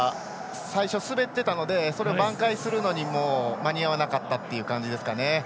最初、滑ってたので挽回するのに間に合わなかったという感じですかね。